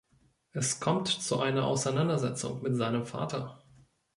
Es kommt zu einer Auseinandersetzung mit seinem Vater.